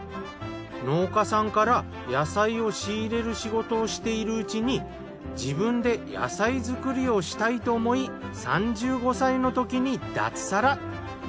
農家さんから野菜を仕入れる仕事をしているうちに自分で野菜作りをしたいと思い３５歳の時に脱サラ。